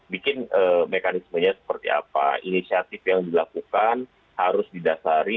bikin mekanismenya seperti apa inisiatif yang dilakukan harus didasari